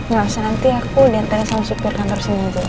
gak usah nanti aku diantar sama supir kantor sini aja ya